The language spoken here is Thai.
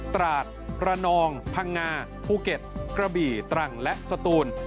ตราดระนองพังงาภูเก็ตกระบี่ตรังและสตูน